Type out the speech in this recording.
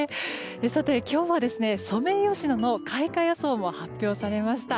さて、今日はソメイヨシノの開花予想が発表されました。